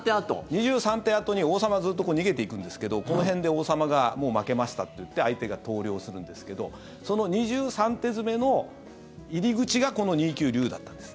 ２３手あとに、王様はずっと逃げていくんですけどこの辺で王様がもう負けましたって言って相手が投了するんですけどその２３手詰めの入り口がこの２九龍だったんです。